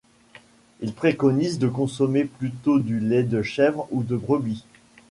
Il préconise de consommer plutôt du lait de chèvre ou de brebis.